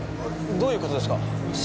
どういう事ですか？